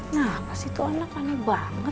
nah pas itu anak anak banget